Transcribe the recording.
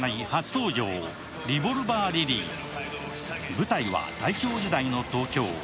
舞台は大正時代の東京。